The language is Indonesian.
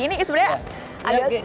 ini sebenarnya agak coba ya